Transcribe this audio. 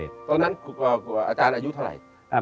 ตอนนั้นกลัวอาจารย์อายุเท่าไหร่